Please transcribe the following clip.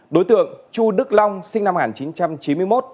đối tượng chu đức long sinh năm một nghìn chín trăm chín mươi một